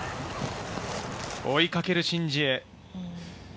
追いかけるシン・ジエ。